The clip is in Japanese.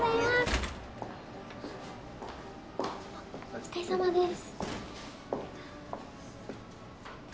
お疲れさまです